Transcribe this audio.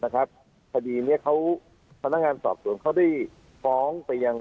คดีนี้เขาพนักงานสอบสวนเขาได้ฟ้องไปยัง